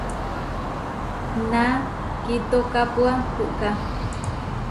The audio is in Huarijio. Na kitókapua puʼká.